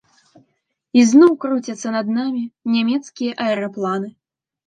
Ізноў круцяцца над намі нямецкія аэрапланы.